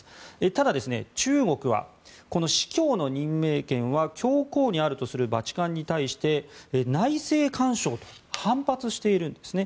ただ、中国はこの司教の任命権は教皇にあるとするバチカンに対して内政干渉と反発しているんですね。